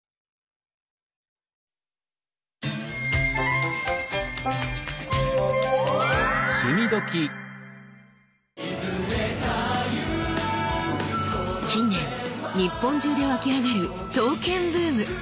近年日本中でわきあがる刀剣ブーム。